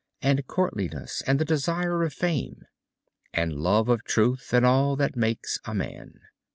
And courtliness and the desire of fame. And love of truth and all that makes a man."